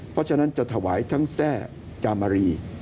เพราะฉะนั้นจะถวายทั้งแทร่จามรี